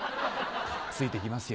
ついていきますよ。